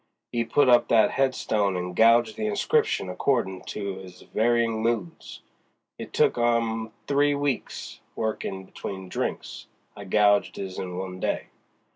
'E put up that headstone and gouged the inscription accordin' to his varyin' moods. It took 'im three weeks, workin' between drinks. I gouged his in one day."